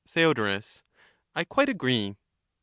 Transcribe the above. Theod. I quite agree.